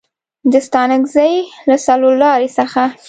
د ستانکزي له څلورلارې څخه